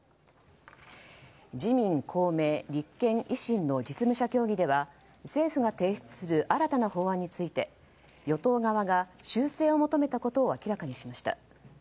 自民、公明、立憲、維新の実務者協議では政府が提出する新たな法案について与党側が修正を求めたことを明らかにしました。